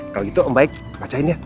kalo gitu om baik macain ya